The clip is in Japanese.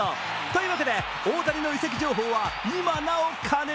というわけで、大谷の移籍情報はいまなお過熱。